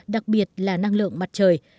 đặc biệt là năng lượng mặt trời